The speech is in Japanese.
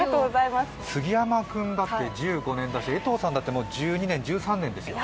杉山君だって１５年だし江藤さんだって１２年、１３年ですよ。